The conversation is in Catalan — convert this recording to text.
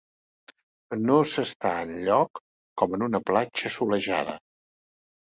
No s'està enlloc com en una platja solejada.